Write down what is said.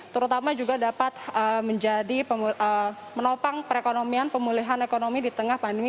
terutama juga dapat menjadi menopang perekonomian pemulihan ekonomi di tengah pandemi